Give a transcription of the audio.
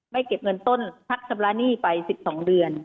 ไว้เก็บเงินต้นชักช้ำระหนี้ไปสิบสองเดือน